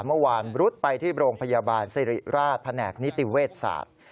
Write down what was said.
เมื่อวานรุดไปที่โรงพยาบาลสิริราชแผนกนิติเวชศาสตร์